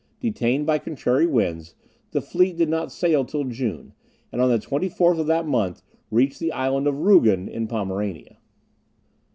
Detained by contrary winds, the fleet did not sail till June, and on the 24th of that month reached the Island of Rugen in Pomerania.